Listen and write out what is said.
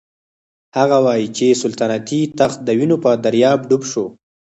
هغه وايي چې سلطنتي تخت د وینو په دریاب ډوب شو.